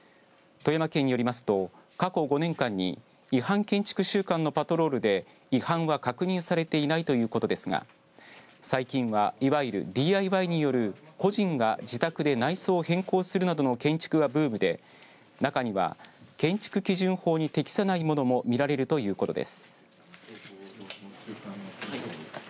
富山県によりますと過去５年間に違反建築週間のパトロールで違反は確認されていないということですが最近は、いわゆるＤＩＹによる個人が自宅で内装を変更するなどの建築がブームで中には建築基準法に適さないものも見られるということです。